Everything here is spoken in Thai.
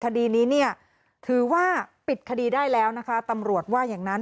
คดีนี้เนี่ยถือว่าปิดคดีได้แล้วนะคะตำรวจว่าอย่างนั้น